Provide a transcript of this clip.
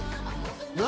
何？